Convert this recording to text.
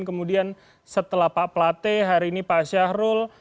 kemudian setelah pak plate hari ini pak syahrul